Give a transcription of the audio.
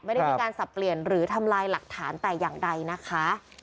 ไม่ได้มีการสับเปลี่ยนหรือทำลายหลักฐานแต่อย่างใดนะคะ